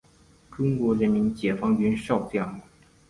中国人民解放军少将。